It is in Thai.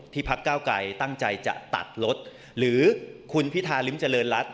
พักเก้าไกรตั้งใจจะตัดรถหรือคุณพิธาริมเจริญรัฐ